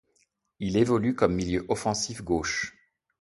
Il évolue comme milieu offensif gauche.